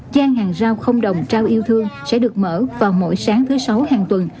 gian hàng rau không đồng trao yêu thương sẽ được mở vào mỗi sáng thứ sáu hàng tuần